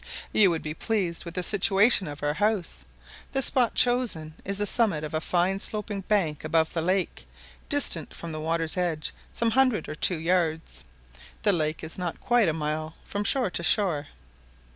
You would be pleased with the situation of our house. The spot chosen is the summit of a fine sloping bank above the lake, distant from the water's edge some hundred or two yards: the lake is not quite a mile from shore to shore.